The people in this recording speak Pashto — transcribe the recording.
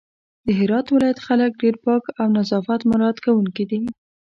د هرات ولايت خلک ډېر پاک او نظافت مرعت کونکي دي